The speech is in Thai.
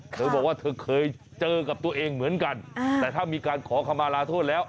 เธอบอกว่าเธอเคยเจอกับตัวเองเหมือนกันแต่ถ้ามีการขอคำมาลาโทษแล้ว